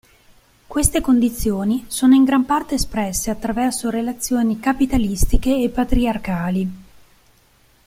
Queste condizioni sono in gran parte espresse attraverso relazioni capitalistiche e patriarcali.